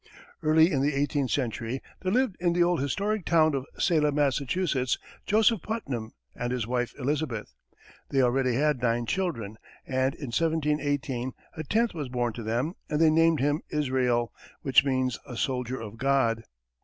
Early in the eighteenth century, there lived in the old historic town of Salem, Massachusetts, Joseph Putnam and his wife, Elizabeth. They already had nine children, and, in 1718, a tenth was born to them and they named him Israel, which means a soldier of God.